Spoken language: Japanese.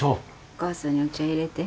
お母さんにお茶入れて。